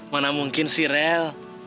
mana mungkin sih rel